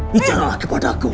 bicaralah kepada aku